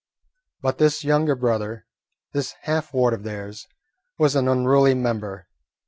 But this younger brother, this half ward of theirs, was an unruly member.